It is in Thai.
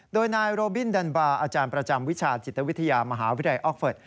โดยนายโรบินดันบาอาจารย์ประจำวิชาจิตวิทยามหาวิทยาลัยออกเฟิร์ต